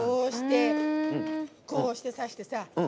こうして刺してさ。